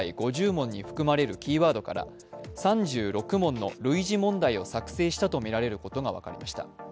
５０問に含まれるキーワードから、３６問の類似問題を作成したとみられることが分かりました。